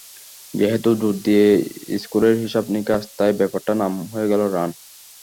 যেহেতু দৌড় দিয়েই স্কোরের হিসাব নিকাশ, তাই ব্যাপারটার নাম হয়ে গেল রান।